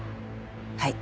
はい。